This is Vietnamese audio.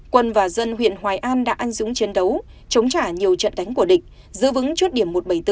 quân và dân huyện hoài an đã anh dũng chiến đấu chống trả nhiều trận đánh của địch giữ vững chốt điểm một trăm bảy mươi bốn